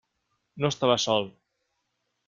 No estava sol.